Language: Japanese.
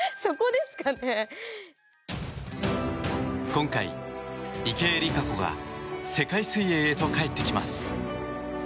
今回、池江璃花子が世界水泳へと帰ってきます。